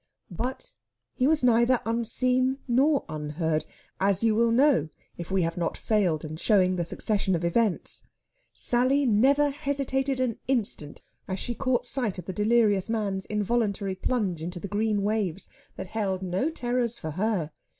But he was neither unseen nor unheard, as you will know if we have not failed in showing the succession of events. Sally never hesitated an instant as she caught sight of the delirious man's involuntary plunge into the green waves that had no terrors for her.